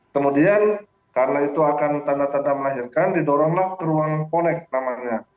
kemudian karena itu akan tanda tanda melahirkan didoronglah ke ruang ponek namanya